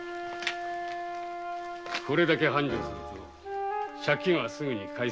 これだけ繁盛すると借金はすぐに返せそうだな。